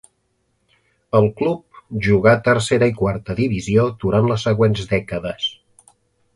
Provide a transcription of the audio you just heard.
El club jugà a tercera i quarta divisió durant les següents dècades.